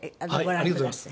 ありがとうございます。